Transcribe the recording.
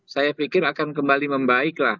saya pikir akan kembali membaiklah